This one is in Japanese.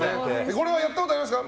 これはやったことありますか？